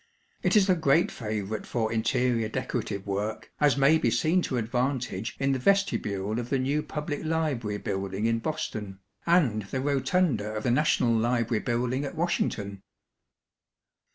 It is a great favorite for interior decorative work, as may be seen to advantage in the vestibule of the new public library building in Boston, and the rotunda of the National Library building at Washington.